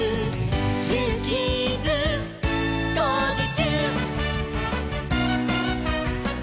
「ジューキーズ」「こうじちゅう！」